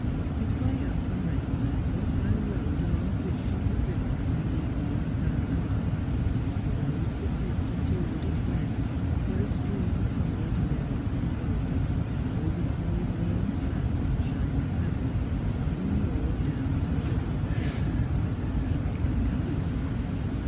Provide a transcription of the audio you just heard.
His way up from Redmire was by the road along which she had driven on the evening of her arrival, the road that dipped into a wooded glen, where a stream tumbled amid rocks and boulders, over smooth worn slabs and shining pebbles, from the moor down to the river of the dale. He might not come this way.